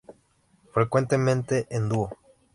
Frecuentemente en dúo.